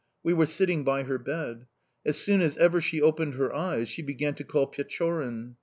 We were sitting by her bed. As soon as ever she opened her eyes she began to call Pechorin.